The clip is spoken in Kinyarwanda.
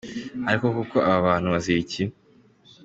ariko koko aba bantu bazira iki?